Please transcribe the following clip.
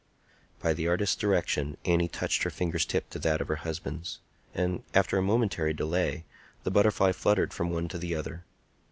By the artist's direction, Annie touched her finger's tip to that of her husband; and, after a momentary delay, the butterfly fluttered from one to the other.